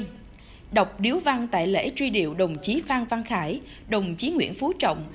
trong cuộc đọc điếu văn tại lễ truy điệu đồng chí phan văn khải đồng chí nguyễn phú trọng